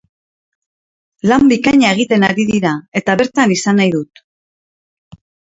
Lan bikaina egiten ari dira eta bertan izan nahi dut.